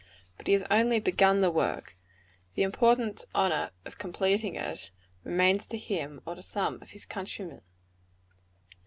But he has only begun the work; the important honor of completing it, remains to him, or to some of his countrymen.